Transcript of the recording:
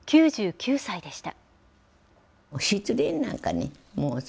９９歳でした。